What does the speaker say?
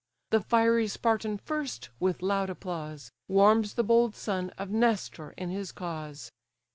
The fiery Spartan first, with loud applause. Warms the bold son of Nestor in his cause.